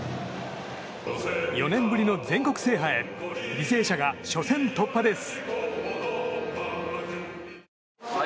４年ぶりの全国制覇へ履正社が初戦突破です。